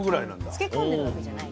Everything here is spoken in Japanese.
漬け込んでるわけじゃない。